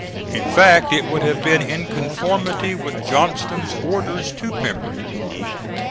In fact it would have been in conformity with Johnston's orders to Pemberton.